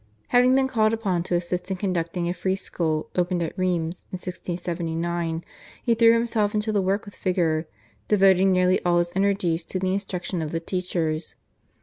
Having been called upon to assist in conducting a free school opened at Rheims in 1679 he threw himself into the work with vigour, devoting nearly all his energies to the instruction of the teachers.